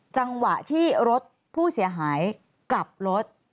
จังหวะที่รถผู้เสียหายกลับรถ